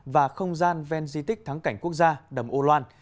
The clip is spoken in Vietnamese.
và không gian ven di tích thắng cảnh quốc gia đầm âu loan